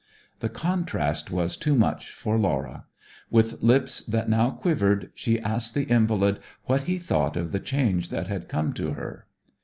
The contrast was too much for Laura. With lips that now quivered, she asked the invalid what he thought of the change that had come to her.